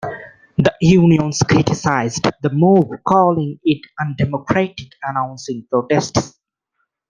The unions criticized the move calling it undemocratic, announcing protests.